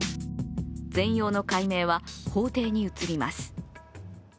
全容の解明は法廷に移ります。